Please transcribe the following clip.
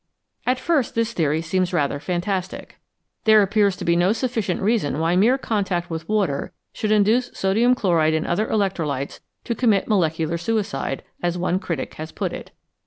At first this theory seems rather fantastic ; there FACTS ABOUT SOLUTIONS appears to be no sufficient reason why mere contact with water should induce sodium chloride and other electrolytes to commit " molecular suicide," as one critic has put it.